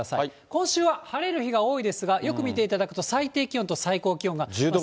今週は晴れる日が多いですが、よく見ていただくと、最低気温と最高気温が。